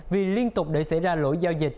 vì liên tục đẩy xảy ra lỗi giao dịch